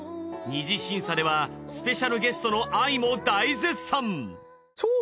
二次審査ではスペシャルゲストのＡＩも大絶賛。